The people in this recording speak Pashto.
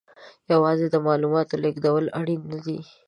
یوازې د معلوماتو لېږدول اړین نه دي.